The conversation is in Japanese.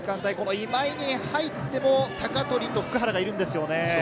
今井に入っても、鷹取と普久原がいるんですよね。